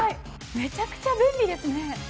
めちゃくちゃ便利ですね。